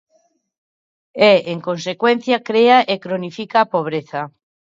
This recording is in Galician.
E, en consecuencia, crea e cronifica a pobreza.